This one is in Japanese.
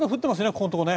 ここのところ。